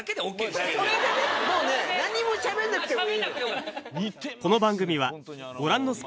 もうね何もしゃべんなくてもいいの。